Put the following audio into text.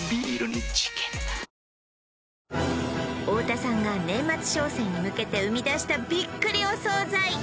太田さんが年末商戦に向けて生み出したびっくりお惣菜